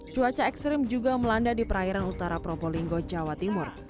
cuaca ekstrim juga melanda di perairan utara probolinggo jawa timur